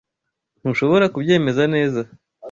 Ntushobora kubyemeza neza